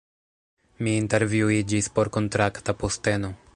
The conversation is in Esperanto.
Mi intervjuiĝis por kontrakta posteno